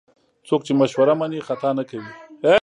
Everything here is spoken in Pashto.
څوک چې مشوره مني، خطا نه کوي.